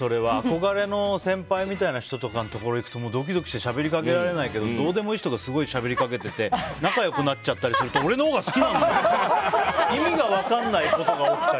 憧れの先輩みたいな人のところに行くとドキドキしてしゃべりかけられないけどどうでもいい人がすごいしゃべりかけてて仲良くなっちゃったりしてると俺のほうが好きなのに！